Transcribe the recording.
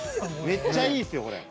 めっちゃいいですよ、これ。